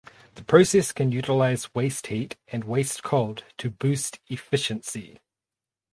The process can utilise waste heat and waste cold to boost efficiency.